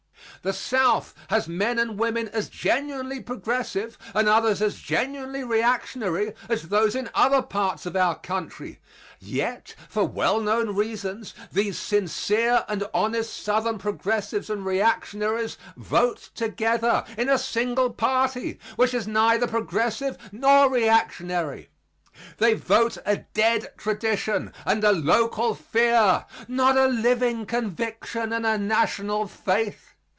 The South has men and women as genuinely progressive and others as genuinely reactionary as those in other parts of our country. Yet, for well known reasons, these sincere and honest southern progressives and reactionaries vote together in a single party, which is neither progressive nor reactionary. They vote a dead tradition and a local fear, not a living conviction and a national faith.